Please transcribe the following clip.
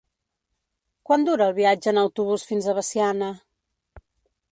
Quant dura el viatge en autobús fins a Veciana?